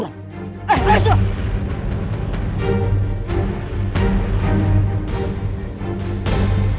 aduh ini masalah penting sekali